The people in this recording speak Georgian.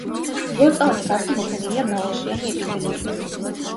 ლორწოვანი გარსი მოფენილია მრავალშრიანი ეპითელიუმით.